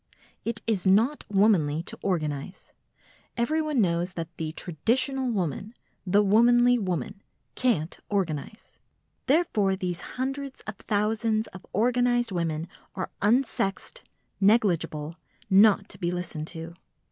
It is not womanly to organise. Everyone knows that the traditional woman, the womanly woman, can't organise. Therefore these hundreds of thousands of organised women are unsexed, negligible, not to be listened to.